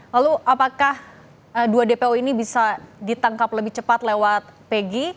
lalu apakah dua dpo ini bisa ditangkap lebih cepat lewat pegi